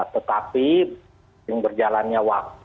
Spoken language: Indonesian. tetapi yang berjalannya waktu